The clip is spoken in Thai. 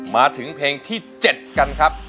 มาถึงเพลงที่๗กันครับ